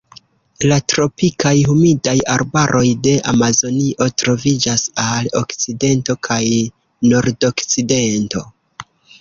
La tropikaj humidaj arbaroj de Amazonio troviĝas al okcidento kaj nordokcidento.